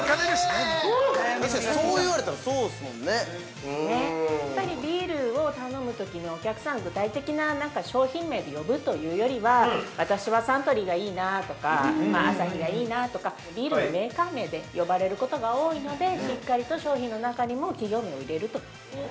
そう言われたら、そうですもんね。◆やっぱりビールを頼むときにお客さん、具体的な商品名で呼ぶというよりは、私はサントリーがいいなとか、アサヒがいいなとか、ビールのメーカー名で呼ばれることが多いので、しっかりと商品の中にも企業名を入れると。